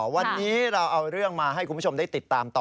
วันนี้เราเอาเรื่องมาให้คุณผู้ชมได้ติดตามต่อ